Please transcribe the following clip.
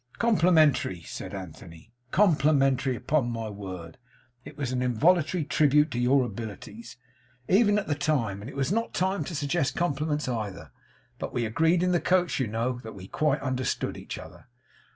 'Complimentary,' said Anthony. 'Complimentary, upon my word. It was an involuntary tribute to your abilities, even at the time; and it was not a time to suggest compliments either. But we agreed in the coach, you know, that we quite understood each other.